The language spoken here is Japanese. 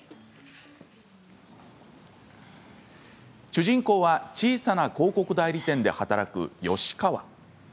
主人公は広告代理店で働く吉川。